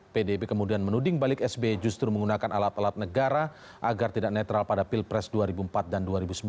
pdip kemudian menuding balik sbi justru menggunakan alat alat negara agar tidak netral pada pilpres dua ribu empat dan dua ribu sembilan